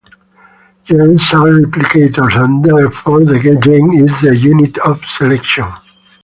Genes are replicators and therefore the gene is the unit of selection.